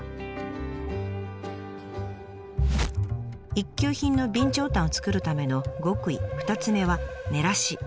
一級品の備長炭を作るための極意２つ目は「ねらし」。